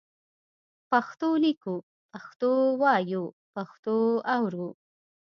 پښتو لیکو، پښتو وایو، پښتو اورو.